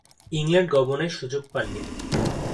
England গমনের সুযোগ পাননি।